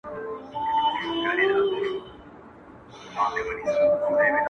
چا ويل ه ستا د لاس پر تندي څه ليـــكـلي.